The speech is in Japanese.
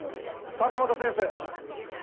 坂本先生